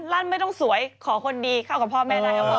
ร่านไม่ต้องสวยขอคนดีเขากับพ่อแม่ไหน